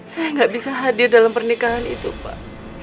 saya nggak bisa hadir dalam pernikahan itu pak